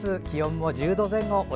気温も１０度前後。